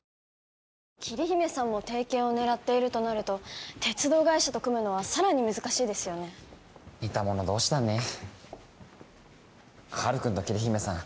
桐姫さんも提携を狙っているとなると鉄道会社と組むのはさらに難しいですよね似た者同士だねハルくんと桐姫さん